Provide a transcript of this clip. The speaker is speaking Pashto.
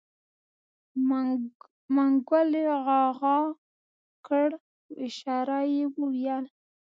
منګلي عاعاعا کړ په اشاره يې وويل.